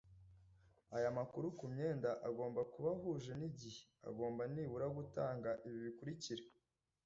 ayo makuru ku myenda agomba kuba ahuje n’igihe agomba nibura gutanga ibi bikurikira